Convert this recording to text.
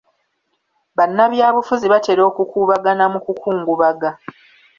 Bannabyabufuzi batera okukuubagana mu kukungubaga